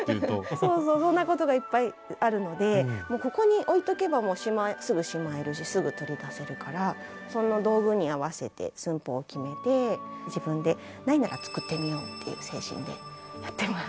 そうそうそんなことがいっぱいあるのでここに置いておけばすぐしまえるしすぐ取り出せるからその道具に合わせて寸法を決めて自分でないなら作ってみようっていう精神でやってます。